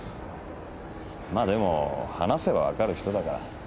まあでも話せば分かる人だから。